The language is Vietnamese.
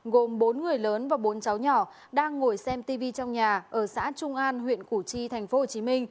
gồm bốn người lớn và bốn cháu nhỏ đang ngồi xem tv trong nhà ở xã trung an huyện củ chi tp hcm